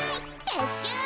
てっしゅう。